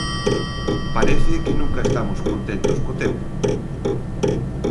Parece que nunca estamos contentos co tempo.